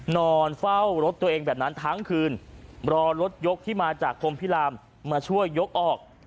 นอนเฝ้ารถตัวเองแบบนั้นทั้งคืนรอรถยกที่มาจากพรมพิรามมาช่วยยกออก